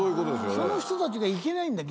その人たちが行けないんだ